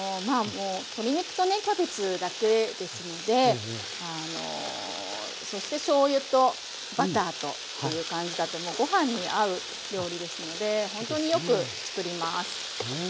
鶏肉とねキャベツだけですのであのそしてしょうゆとバターという感じだともうご飯に合う料理ですのでほんとによく作ります。